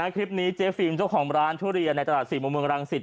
คลิปนี้เจฟิล์มเจ้าของร้านทุเรียนในตลาด๔บรังสิทธิ์